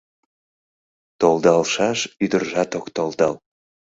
Толдалшаш ӱдыржат ок толдал.